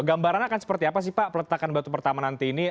gambarannya akan seperti apa sih pak peletakan batu pertama nanti ini